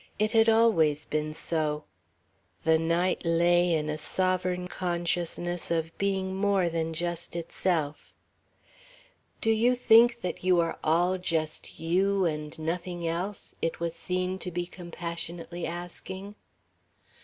It had always been so. The night lay in a sovereign consciousness of being more than just itself. "Do you think that you are all just you and nothing else?" it was seen to be compassionately asking.